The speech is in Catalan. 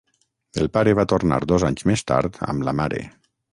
El pare va tornar dos anys més tard amb la mare.